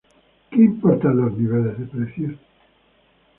Que importan los niveles de precios.